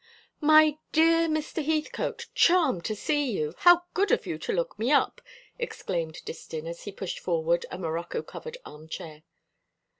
"My dear Mr. Heathcote, charmed to see you. How good of you to look me up!" exclaimed Distin, as he pushed forward a morocco covered armchair.